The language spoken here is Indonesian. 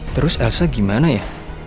terus elsa gimana ya